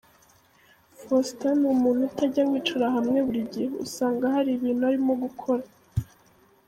Faustin ni umuntu utajya wicara hamwe buri gihe usanga hari ibintu arimo gukora.